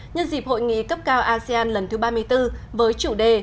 nhân dịp hội nghị cấp cao asean lần thứ ba mươi bốn với chủ đề